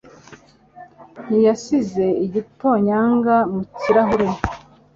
Ntiyasize igitonyanga mu kirahure.